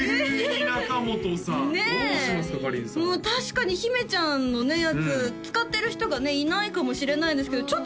確かに日芽ちゃんのねやつ使ってる人がねいないかもしれないんですけど